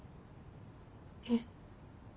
えっ。